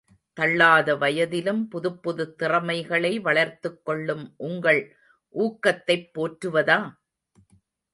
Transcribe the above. தள்ளாத வயதிலும் புதுப்புதுத் திறமைகளை வளர்த்துக் கொள்ளும் உங்கள் ஊக்கத்தைப் போற்றுவதா?